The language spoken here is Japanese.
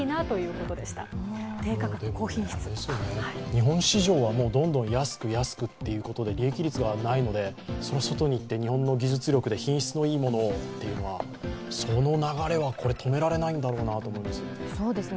日本市場はどんどん安く安くということなので、それは外に行って日本の技術力で品質のいいものをというのはこれ、止められないんだろうなと思います。